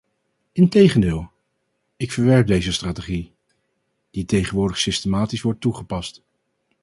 Integendeel, ik verwerp deze strategie, die tegenwoordig systematisch wordt toegepast.